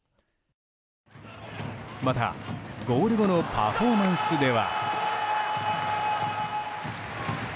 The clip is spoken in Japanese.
また、ゴール後のパフォーマンスでは。